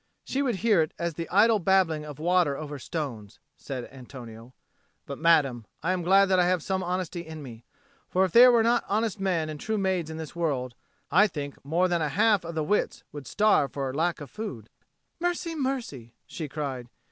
"She would hear it as the idle babbling of water over stones," said Antonio. "But, madame, I am glad that I have some honesty in me. For if there were not honest men and true maids in this world, I think more than a half of the wits would starve for lack of food." "Mercy, mercy!" she cried.